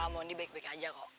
mondi baik baik aja kok